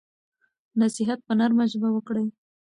نصیحت په نرمه ژبه وکړئ.